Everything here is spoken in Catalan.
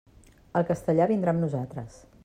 El castellà vindrà amb nosaltres.